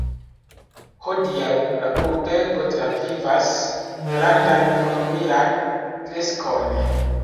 Hodiaŭ la urbego travivas grandan ekonomian kreskon.